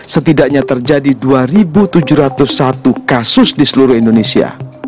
setidaknya terjadi dua tujuh ratus satu kasus di seluruh indonesia